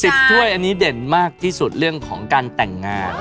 ถ้วยอันนี้เด่นมากที่สุดเรื่องของการแต่งงาน